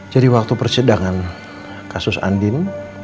jadi waktu persedangan kasus andin